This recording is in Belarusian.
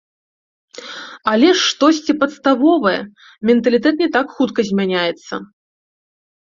Але ж штосьці падставовае, менталітэт не так хутка змяняецца!